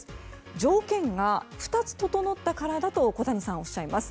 条件が２つ整ったからだと小谷さんはおっしゃいます。